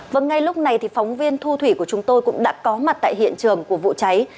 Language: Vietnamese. vâng ngay lúc này thì phóng viên thu thủy của chúng tôi cũng đã có mặt tại hiện trường của vụ cháy